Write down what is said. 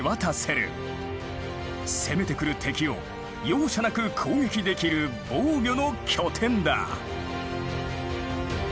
攻めてくる敵を容赦なく攻撃できる防御の拠点だ。